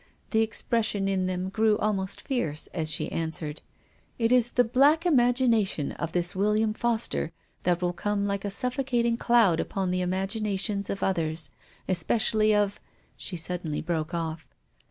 The expression in them grew almost fierce as she answered, " It is the black imagination of this William Foster that will come like a suffocating cloud upon the imagi nations of others, especially of " She suddenly broke off.